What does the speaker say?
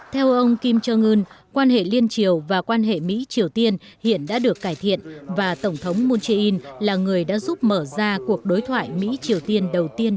theo ông kim jong un quan hệ liên triều và quan hệ mỹ triều tiên hiện đã được cải thiện và tổng thống moon jae in là người đã giúp mở ra cuộc đối thoại mỹ triều tiên đầu tiên